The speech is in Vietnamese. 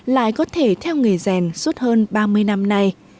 lại có thể theo nghề rèn suốt hơn ba mươi năm nay